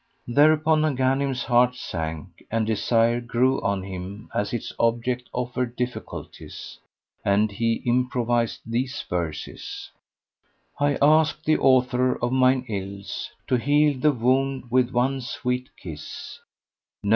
Thereupon Ghanim's heart sank and desire grew on him as its object offered difficulties; and he improvised these verses, "I asked the author of mine ills * To heal the wound with one sweet kiss: No!